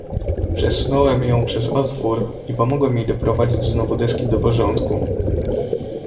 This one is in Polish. "Przesunąłem ją przez otwór, i pomogłem jej doprowadzić znowu deski do porządku."